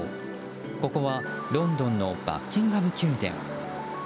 ここはロンドンのバッキンガム宮殿。